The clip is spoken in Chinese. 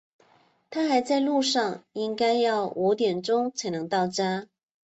他还在路上，应该要五点钟才能到家。